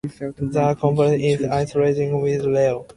The compound is isostructural with ReO.